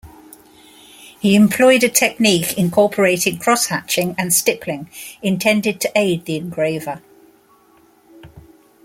He employed a technique incorporating cross-hatching and stippling, intended to aid the engraver.